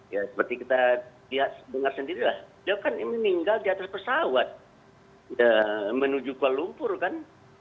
ya seperti kita dengar sendirilah dia kan meninggal di atas pesawat menuju kuala lumpur kan